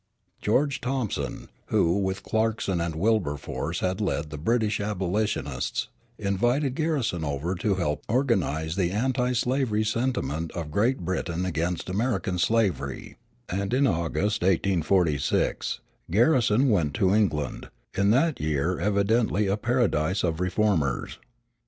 George Thompson, who with Clarkson and Wilberforce had led the British abolitionists, invited Garrison over to help reorganize the anti slavery sentiment of Great Britain against American slavery; and in August, 1846, Garrison went to England, in that year evidently a paradise of reformers.